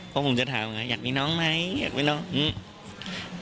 เพราะผมจะถามไงอยากมีน้องไหมอยากมีน้องอืม